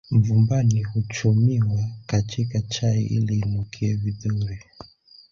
Mvumbani huchumiwa kachika chai ili inukie vidhuri